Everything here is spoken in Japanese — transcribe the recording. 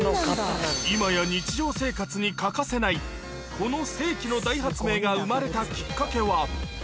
今や日常生活に欠かせない、この世紀の大発明が生まれたきっかけは。